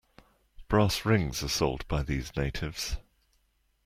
Brass rings are sold by these natives.